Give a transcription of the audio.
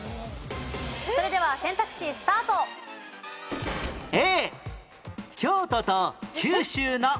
それでは選択肢スタート。え！